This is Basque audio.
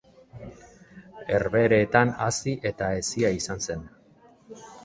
Herbehereetan hazi eta hezia izan zen.